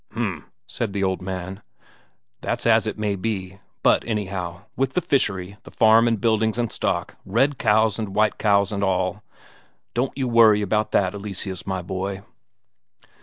"H'm," said the old man. "That's as it may be. But, anyhow, with the fishery, the farm and buildings and stock, red cows and white cows and all don't you worry about that, Eleseus, my boy."